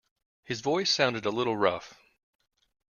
His voice sounded a little rough.